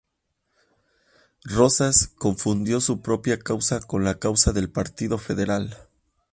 Rosas confundió su propia causa con la causa del partido federal.